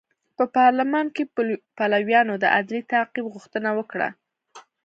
په پارلمان کې پلویانو د عدلي تعقیب غوښتنه وکړه.